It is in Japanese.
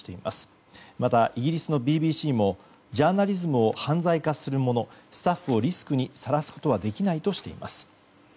また、イギリスのＢＢＣもジャーナリズムを犯罪化するものスタッフをリスクにさらすことはできないとしています。